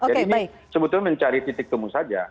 jadi ini sebetulnya mencari titik temu saja